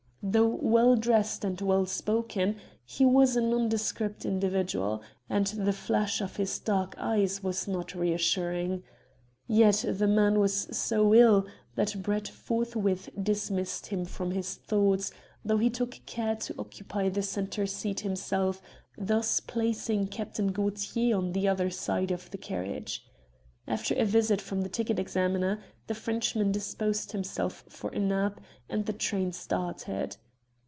Though well dressed and well spoken he was a nondescript individual, and the flash of his dark eyes was not reassuring. Yet the man was so ill that Brett forthwith dismissed him from his thoughts, though he took care to occupy the centre seat himself, thus placing Captain Gaultier on the other side of the carriage. After a visit from the ticket examiner, the Frenchman disposed himself for a nap and the train started.